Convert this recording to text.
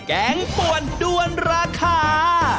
แกงป่วนด้วนราคา